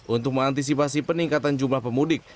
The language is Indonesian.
untuk mengantisipasi peningkatan jumlah pemudik